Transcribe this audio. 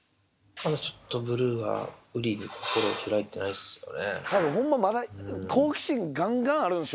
まだちょっとブルーが、ウリに心を開いてないっすよね。